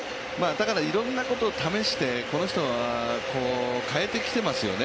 いろんなことを試して、この人は変えてきていますよね